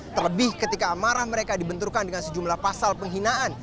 terlebih ketika amarah mereka dibenturkan dengan sejumlah pasal penghinaan